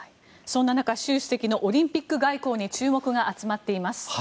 そんな中習主席のオリンピック外交に注目が集まっています。